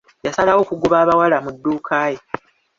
Yasalawo okugoba abawala mu dduuka ye.